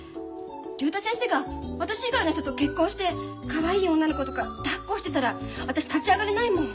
竜太先生が私以外の人と結婚してかわいい女の子とか抱っこしてたら私立ち上がれないもん。